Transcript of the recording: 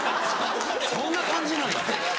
そんな感じなんや。